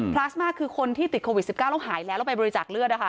ลาสมาคือคนที่ติดโควิด๑๙แล้วหายแล้วแล้วไปบริจาคเลือดนะคะ